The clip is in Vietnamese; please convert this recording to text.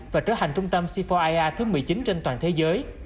và trở hành trung tâm c bốn ir thứ một mươi chín trên toàn thế giới